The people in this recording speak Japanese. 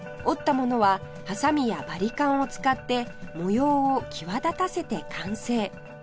織ったものははさみやバリカンを使って模様を際立たせて完成